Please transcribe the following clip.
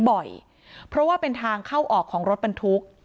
บ่อยเพราะว่าเป็นทางเข้าออกของรถบรรทุก